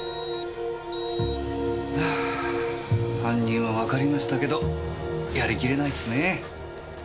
犯人はわかりましたけどやりきれないっすねぇ。